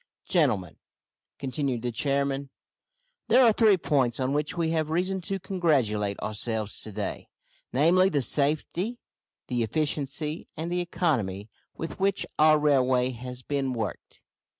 "Gentlemen," continued the chairman, "there are three points on which we have reason to congratulate ourselves to day, namely, the safety, the efficiency, and the economy with which our railway has been worked.